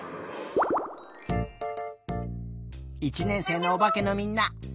１年生のおばけのみんな。